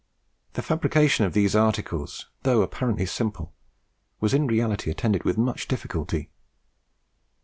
The fabrication of these articles, though apparently simple, was in reality attended with much difficulty.